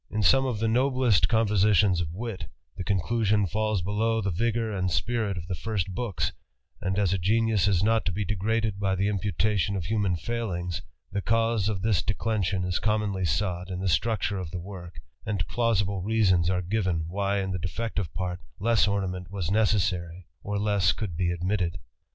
In some of the noblest compositions of wit, the conclusion falls below the vigoiu: and spirit of the first books; and as a genius is not to be degraded by the imputation of human failings, the cause of this declension is commonly sought in the structure of the work, and Pbusible reasons are given why in the defective part less >nmment was necessary, or less could be admitted.